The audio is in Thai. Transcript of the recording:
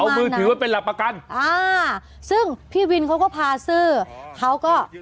เอามือถือมาเป็นหลักประกันอ่าซึ่งพี่วินเขาก็พาซื้อเขาก็